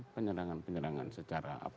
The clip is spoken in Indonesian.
penyerangan penyerangan secara apa